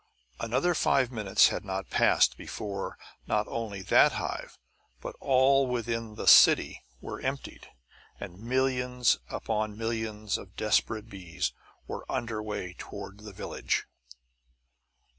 Another five minutes had not passed before not only that hive, but all within the "city" were emptied; and millions upon millions of desperate bees were under way toward the village.